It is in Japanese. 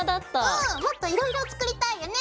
うんもっといろいろ作りたいよね！